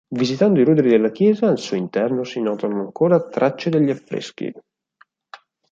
Visitando i ruderi della chiesa, al suo interno si notano ancora tracce degli affreschi.